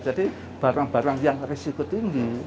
jadi barang barang yang risiko tinggi